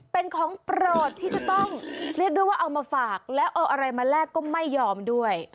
เป็นของโปรดที่จะต้องเรียกด้วยว่าเอามาฝากแล้วเอาอะไรมาแลกก็ไม่ยอมด้วย